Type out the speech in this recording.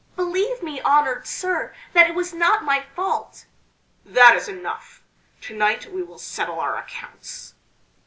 "Believe me, honored sir, that it was not my fault!" "That is enough! To night we will settle our accounts."